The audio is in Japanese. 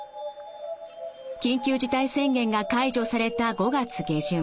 緊急事態宣言が解除された５月下旬。